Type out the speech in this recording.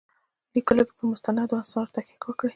لیکلو کې پر مستندو آثارو تکیه وکړي.